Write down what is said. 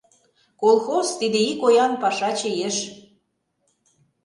Колхоз — тиде икоян пашаче еш.